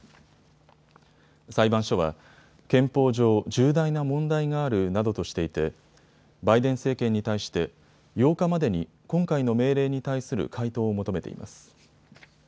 裁判所は憲法上、重大な問題があるなどとしていてバイデン政権に対して８日までに今回の命令に対する回答を求めています。